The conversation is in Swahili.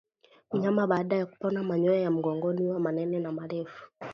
Mnyama baada ya kupona manyoya ya mgongoni huwa manene na marefu